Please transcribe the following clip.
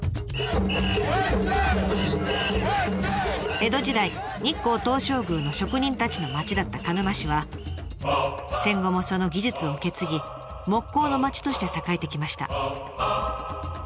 江戸時代日光東照宮の職人たちの町だった鹿沼市は戦後もその技術を受け継ぎ木工の町として栄えてきました。